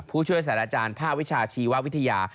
ผู้ช่วยสารอาจารย์ภาควิชาชีววิทยา